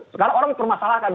sekarang orang permasalahkan